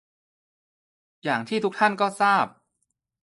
อย่างที่ทุกท่านก็ทราบ